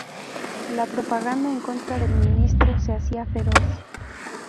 La propaganda en contra del ministro se hacía feroz.